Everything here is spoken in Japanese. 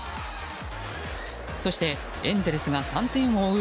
そしてエンゼルスが３点を追う